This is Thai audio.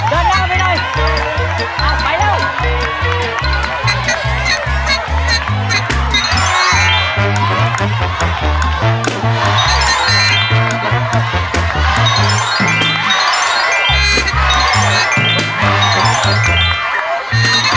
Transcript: เฮ้ยเดินหน้าไปหน่อย